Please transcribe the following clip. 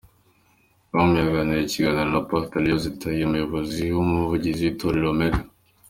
com yagiranye ikiganiro na Pastor Liliose Tayi, Umuyobozi akaba n’Umuvugizi w’Itorero Omega.